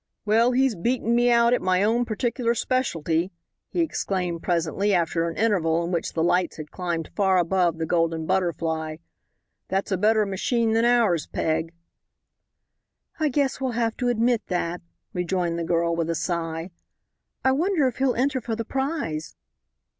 "Well, he's beaten me out at my own particular specialty," he exclaimed presently, after an interval in which the lights had climbed far above the Golden Butterfly. "That's a better machine than ours, Peg." "I guess we'll have to admit that," rejoined the girl, with a sigh. "I wonder if he'll enter for the prize?"